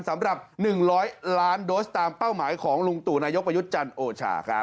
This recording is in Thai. สำหรับ๑๐๐ล้านโดสตามเป้าหมายของลุงตู่นายกประยุทธ์จันทร์โอชาครับ